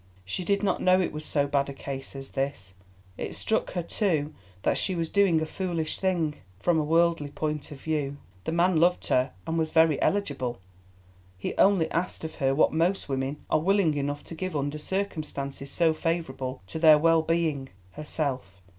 She did not know it was so bad a case as this. It struck her too that she was doing a foolish thing, from a worldly point of view. The man loved her and was very eligible. He only asked of her what most women are willing enough to give under circumstances so favourable to their well being—herself.